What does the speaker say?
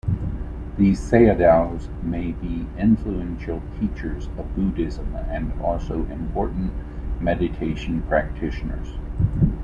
These sayadaws may be influential teachers of Buddhism and also important meditation practitioners.